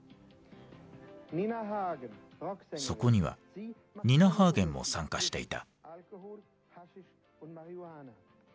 そこにはニナ・ハーゲンも参加していた。